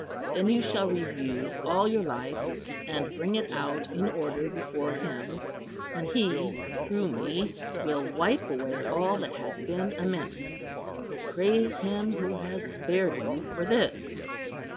Then you shall review all your life, and bring it out in order before Him; and He, through me, will wipe away all that has been amiss. Praise Him who has spared you for this."